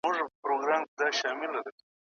د لیمو اوبه هم ورسره کارېدلې.